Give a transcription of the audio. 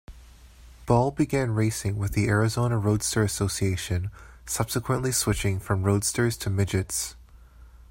Ball began racing with the Arizona Roadster Association, subsequently switching from roadsters to midgets.